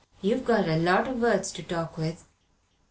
You've got a lot o' words to talk with."